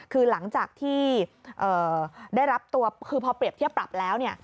คือหลังจากที่ได้รับตัวคือพอเปรียบเทียบปรับแล้วเนี่ย